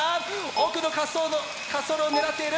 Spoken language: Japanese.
奥の滑走路を狙っている。